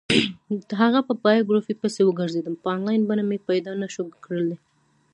د هغه په بایوګرافي پسې وگرځېدم، په انلاین بڼه مې پیدا نه شوه کړلی.